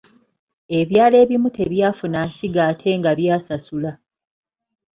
Ebyalo ebimu tebyafuna nsigo ate nga byasasula.